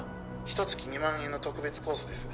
☎ひと月２万円の特別コースです